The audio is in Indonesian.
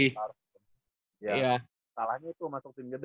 iya salahnya tuh masuk tim gede